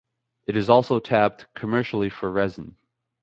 It is also tapped commercially for resin.